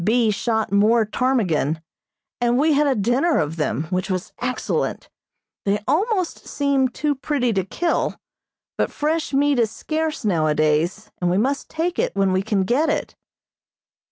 B. shot more ptarmigan, and we had a dinner of them, which was excellent. They almost seem too pretty to kill, but fresh meat is scarce nowadays, and we must take it when we can get it.